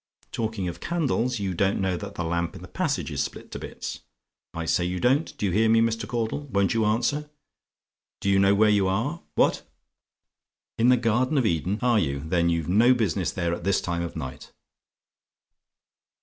Talking of candles, you don't know that the lamp in the passage is split to bits! I say you don't do you hear me, Mr. Caudle? Won't you answer? Do you know where you are? What? "IN THE GARDEN OF EDEN? "Are you? Then you've no business there at this time of night."